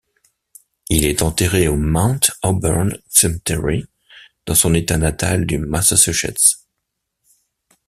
Il est enterré au Mount Auburn Cemetery, dans son État natal du Massachusetts.